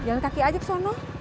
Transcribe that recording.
jalan kaki aja ke sana